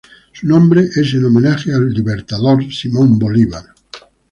Su nombre es en homenaje al Libertador Simón Bolívar.